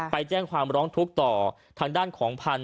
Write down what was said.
ไปแจ้งความร้องทุกข์ต่อทางด้านของพันธุ